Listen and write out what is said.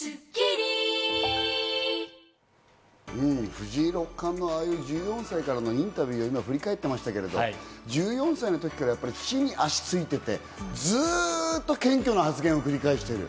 藤井六冠の１４歳からのインタビューを振り返ってましたけど、１４歳の時からやっぱり地に足がついてて、ずっと謙虚な発言を繰り返している。